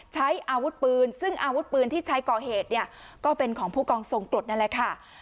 ใช้อาวุธปืนซึ่งอาวุธปืนที่ใช้ก่อเหตุเนี่ยก็เป็นของผู้กองทรงกรดนั่นแหละค่ะ